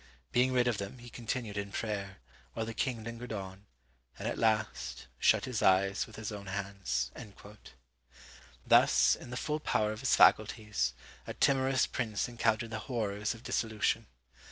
Being rid of them, he continued in prayer, while the king lingered on, and at last shut his eyes with his own hands." Thus, in the full power of his faculties, a timorous prince encountered the horrors of dissolution.